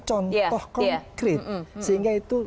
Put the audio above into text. contoh konkret sehingga itu